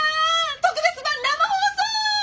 特別版生放送！